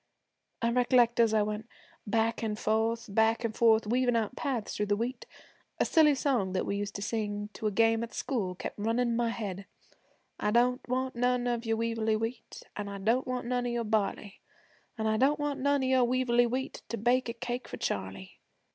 'I recollect as I went back and forth, back and forth, weaving out paths through the wheat, a silly song that we used to sing to a game at school kept runnin' in my head: I don't want none of your weevily wheat, An' I don't want none of your barley; An' I don't want none of your weevily wheat To bake a cake for Charley.